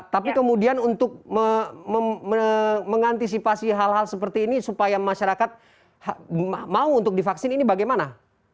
tapi kemudian untuk mengantisipasi hal hal seperti ini supaya masyarakat mau untuk divaksin ini bagaimana